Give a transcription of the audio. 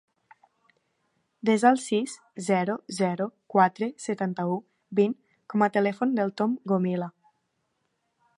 Desa el sis, zero, zero, quatre, setanta-u, vint com a telèfon del Tom Gomila.